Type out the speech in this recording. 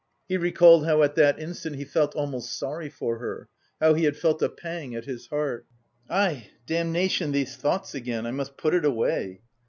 He recalled how at that instant he felt almost sorry for her, how he had felt a pang at his heart... "Aïe! Damnation, these thoughts again! I must put it away!"